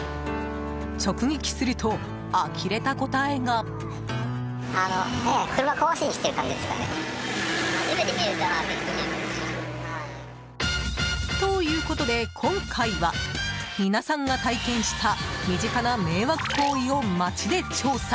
直撃すると、あきれた答えが。ということで今回は皆さんが体験した身近な迷惑行為を街で調査。